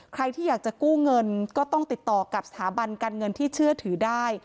ใครที่อยากจะกู้เงินก็ต้องติดต่อกับสถาบันการเงินที่เชื่อถือได้